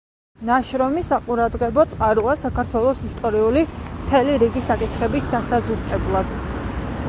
ნაშრომი საყურადღებო წყაროა საქართველოს ისტორიული მთელი რიგი საკითხების დასაზუსტებლად.